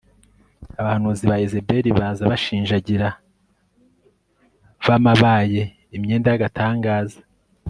Abahanuzi ba Yezeberi baza bashinjagira bamabaye imyenda yagatangaza